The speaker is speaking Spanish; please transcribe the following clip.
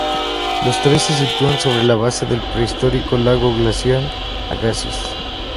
Los tres se sitúan sobre la base del prehistórico lago glacial Agassiz.